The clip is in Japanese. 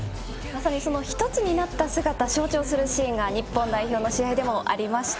１つになった姿を象徴するシーンが日本代表の試合でもありました。